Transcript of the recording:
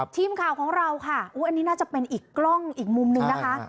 ทีมข่าวของเราค่ะอันนี้น่าจะเป็นอีกกล้องอีกมุมนึงนะคะ